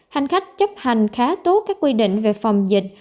hành khách chấp hành khá tốt các quy định về phòng dịch